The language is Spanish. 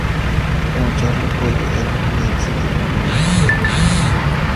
Como Charlotte Bühler era judía decidieron emigrar a los Estados Unidos.